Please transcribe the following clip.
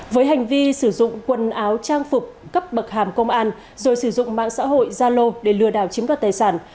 với hành vi sử dụng quần áo trang phục cấp bậc hàm công an rồi sử dụng mạng xã hội gia lô để lừa đào chiếm đoạt tài sản